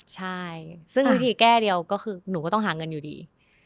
ใช่ซึ่งวิธีแก้เดียวก็คือหนูก็ต้องหาเงินอยู่ดี